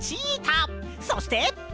そして！